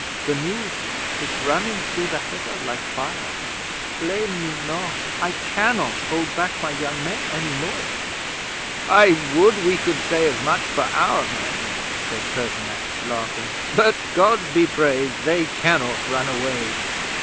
The news is running through the heather like fire. Blame me not! I cannot hold back my young men any more." '"I would we could say as much for our men," said Pertinax, laughing. "But, Gods be praised, they cannot run away."